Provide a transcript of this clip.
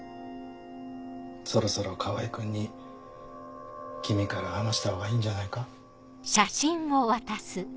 そろそろ川合君に君から話したほうがいいんじゃないか？